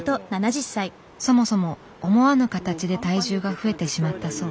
そもそも思わぬ形で体重が増えてしまったそう。